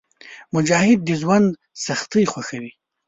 مجاهد د ژوند سختۍ خوښوي.